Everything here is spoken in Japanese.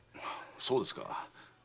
そうですか。